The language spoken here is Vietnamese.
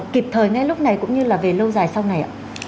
kịp thời ngay lúc này cũng như là về lâu dài sau này ạ